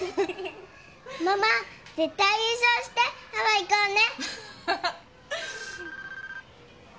ママ絶対優勝してハワイ行こうね！